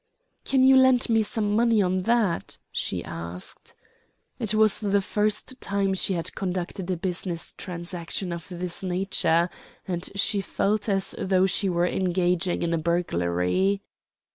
"Can you lend me some money on that?" she asked. It was the first time she had conducted a business transaction of this nature, and she felt as though she were engaging in a burglary.